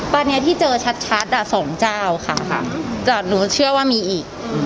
ตอนนี้มีทั้งหมดกี่เจ้าที่เอารูปเราไปตัดต่อ